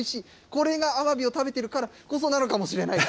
これがアワビを食べてるからこそなのかもしれない。